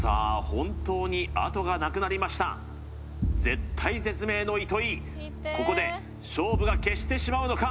本当にあとがなくなりました絶体絶命の糸井ここで勝負が決してしまうのか？